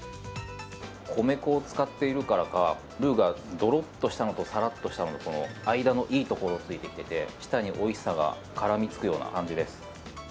米粉を使っているからかルーがどろっとしたのとさらっとしたのいいところをついてきてて、舌においしさが絡みつくような感じです。